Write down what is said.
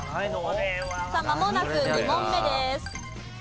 さあまもなく２問目です。